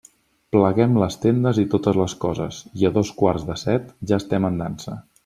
Pleguem les tendes i totes les coses, i a dos quarts de set ja estem en dansa.